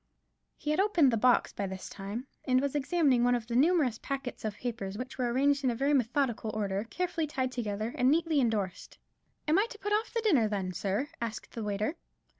He had opened the box by this time, and was examining one of the numerous packets of papers, which were arranged in very methodical order, carefully tied together, and neatly endorsed. "I am to put off the dinner, then, sir?" asked the waiter.